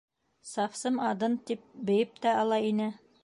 «Совсым одын» тип бейеп тә ала ине.